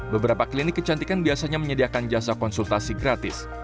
beberapa klinik kecantikan biasanya menyediakan jasa konsultasi gratis